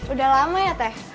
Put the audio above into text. udah lama ya teh